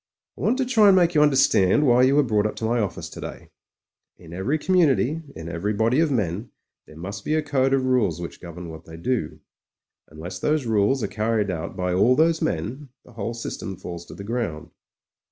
"I want to try and make you understand why you were brought up to office today. In every com mimity — in every body of men — ^there must be a code of rules which govern what they do. Unless those rules are carried out by all those men, the whole system falls to the ground.